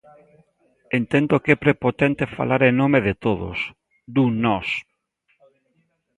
Entendo que é prepotente falar en nome de todos, dun "nós".